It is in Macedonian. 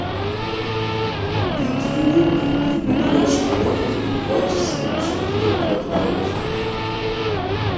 Витјунин ги минуваше деновите обидувајќи се да му сврти грб на прозорецот.